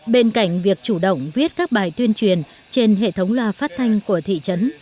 bên cạnh việc chủ động viết các bài tuyên truyền trên hệ thống loa phát thanh của thị trấn